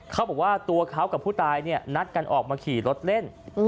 เขาบอกว่าตัวเขากับผู้ตายเนี่ยนัดกันออกมาขี่รถเล่น